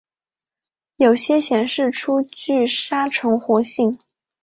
有些显示出具杀虫活性。